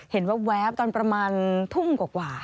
แว๊บตอนประมาณทุ่มกว่า